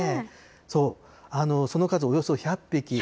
そう、その数およそ１００匹。